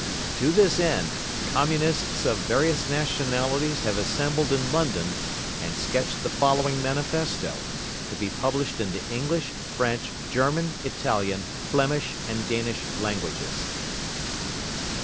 To this end, Communists of various nationalities have assembled in London, and sketched the following Manifesto, to be published in the English, French, German, Italian, Flemish and Danish languages.